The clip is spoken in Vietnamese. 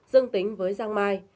dương tính với giang mai